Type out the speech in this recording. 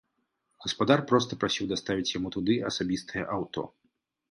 Гаспадар проста прасіў даставіць яму туды асабістае аўто.